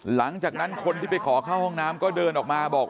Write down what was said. หลังจากนั้นคนที่ไปขอเข้าห้องน้ำก็เดินออกมาบอก